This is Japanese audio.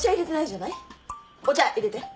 お茶入れて。